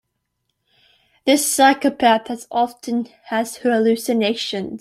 The psychopath often has hallucinations.